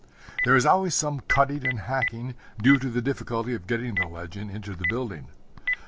There is always some cutting and hacking, due to the difficulty of getting the legend into the building.